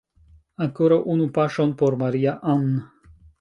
Ankoraŭ unu paŝon por Maria-Ann!